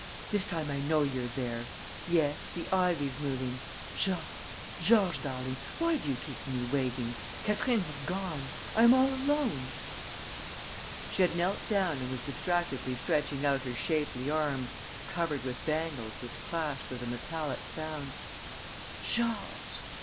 "This time I know you're there! Yes, the ivy's moving. Georges, Georges darling, why do you keep me waiting? Catherine has gone. I am all alone...." She had knelt down and was distractedly stretching out her shapely arms covered with bangles which clashed with a metallic sound: "Georges!...